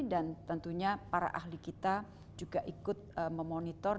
dan tentunya para ahli kita juga ikut memonitor